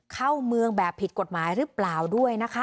เข้าเมืองแบบผิดกฎหมายหรือเปล่าด้วยนะคะ